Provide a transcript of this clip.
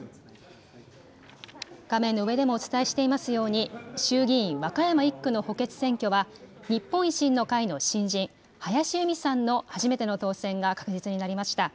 画面の上でもお伝えしていますように衆議院和歌山１区の補欠選挙は日本維新の会の新人、林佑美さんの初めての当選が確実になりました。